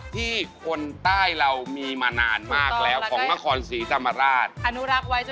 ที่คนใต้เรามีมานานมากแล้วของมะครศรีธรรมราชถูกตอบแล้วก็